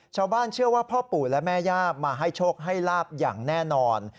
ชาวบ้านเชื่อว่าพ่อปู่และแม่ย่ามาให้โชคให้ลาบอย่างแน่นอน